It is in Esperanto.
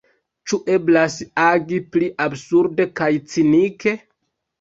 Ĉu eblas agi pli absurde kaj cinike?